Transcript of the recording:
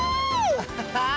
アハハー！